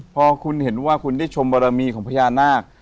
พอคุณเห็นว่าคุณได้ชมบารมีของพญานาค